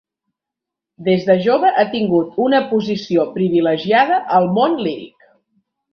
Des de jove ha tingut una posició privilegiada al món líric.